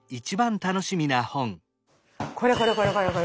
これこれこれこれ。